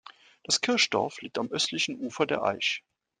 Das Kirchdorf liegt am östlichen Ufer der Aisch.